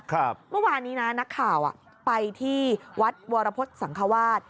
เมื่อวานนี้นะนักข่าวไปที่วัดวรพฤษสังควาส